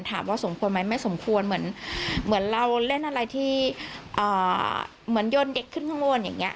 ถามว่าสมควรไหมไม่สมควรเหมือนเราเล่นอะไรที่เหมือนโยนเด็กขึ้นข้างบนอย่างนี้